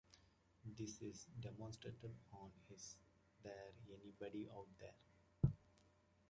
This is demonstrated on Is There Anybody Out There?